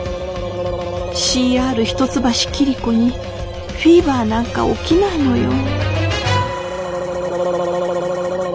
ＣＲ一橋桐子にフィーバーなんか起きないのよ